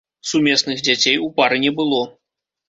Сумесных дзяцей у пары не было.